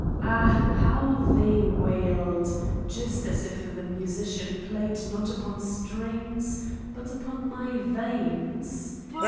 .. ah, how they wailed, just as if the musician played not upon strings but upon my veins